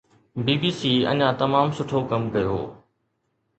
بي B C اڃا تمام سٺو ڪم ڪيو.